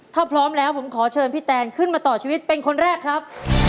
ถ้าพร้อมแล้วผมขอเชิญพี่แตนขึ้นมาต่อชีวิตเป็นคนแรกครับ